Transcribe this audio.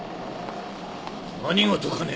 何事かね？